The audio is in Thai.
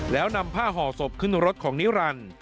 แล้วนำผ้าห่อศพขึ้นรถของนิรันดิ์